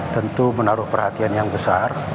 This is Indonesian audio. tentu menaruh perhatian yang besar